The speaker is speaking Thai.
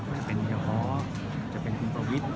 จะเป็นเบียลอ๋อฉันจะเป็นคุณประวิท